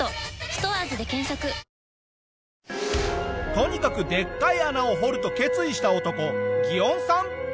とにかくでっかい穴を掘ると決意した男ギオンさん。